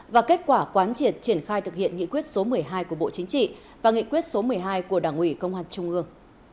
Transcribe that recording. và kết quả quán triệt triển khai thực hiện nghị quyết số một mươi hai của bộ chính trị và nghị quyết số một mươi hai của đảng ủy công an trung ương